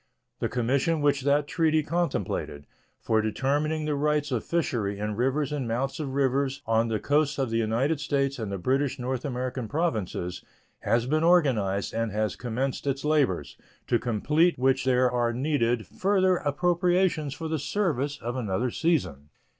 The commission which that treaty contemplated, for determining the rights of fishery in rivers and mouths of rivers on the coasts of the United States and the British North American Provinces, has been organized, and has commenced its labors, to complete which there are needed further appropriations for the service of another season.